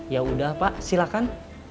ya udah pak silakan